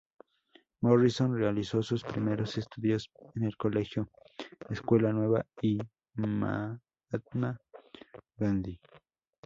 Morrison realizó sus primeros estudios en el colegio "Escuela Nueva" y "Mahatma Gandhi".